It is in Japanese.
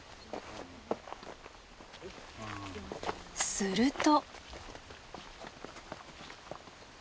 すると。